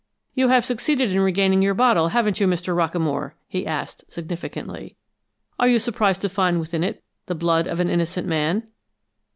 "You have succeeded in regaining your bottle, haven't you, Mr. Rockamore?" he asked, significantly. "Are you surprised to find within it the blood of an innocent man?"